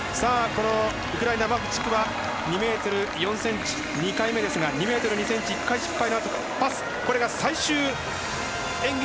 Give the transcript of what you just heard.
ウクライナ、マフチフは２ｍ４ｃｍ２回目ですが２ｍ４ｃｍ１回失敗のあとパス。